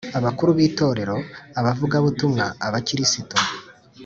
Abakuru b itorero abavugabutumwa abakristo